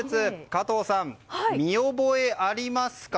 加藤さん、見覚えありますか？